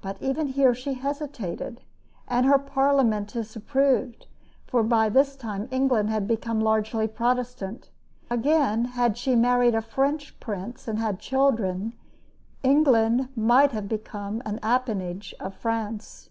But even here she hesitated, and her Parliament disapproved; for by this time England had become largely Protestant. Again, had she married a French prince and had children, England might have become an appanage of France.